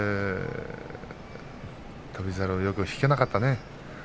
翔猿よく引かなかったね。